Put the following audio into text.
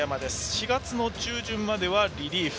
４月の中旬まではリリーフ。